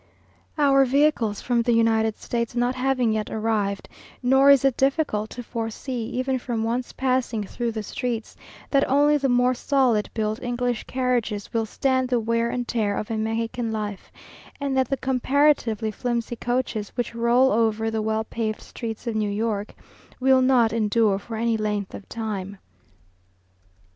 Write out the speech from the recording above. our vehicles from the United States not having yet arrived, nor is it difficult to foresee, even from once passing through the streets, that only the more solid built English carriages will stand the wear and tear of a Mexican life, and that the comparatively flimsy coaches which roll over the well paved streets of New York, will not endure for any length of time.